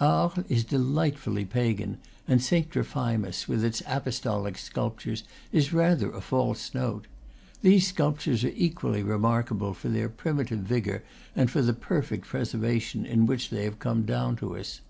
Arles is delightfully pagan, and Saint Trophimus, with its apostolic sculptures, is rather a false note. These sculptures are equally re markable for their primitive vigor and for the perfect preservation in which they have come down to us.